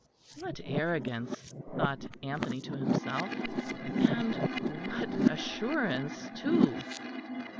What arrogance, thought Anthony to himself, and what assurance too!